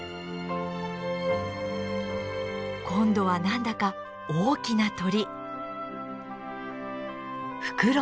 今度は何だか大きな鳥。